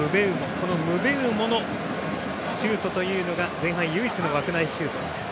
このムベウモのシュートが前半唯一の枠内シュート。